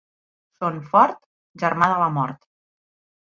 Son fort, germà de la mort.